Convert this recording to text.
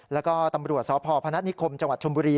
แล้วก็ตำรวจสพพนัฐนิคมจังหวัดชมบุรี